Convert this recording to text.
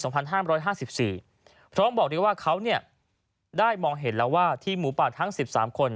เพราะต้องบอกดีกว่าเขาได้มองเห็นแล้วว่าที่หมู่บ้านทั้ง๑๓คน